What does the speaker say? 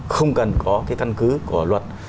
không cần có cái căn cứ của luật